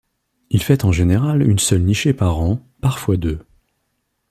Il fait en général une seule nichée par an, parfois deux.